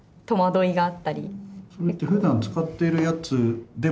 それってふだん使ってるやつでも？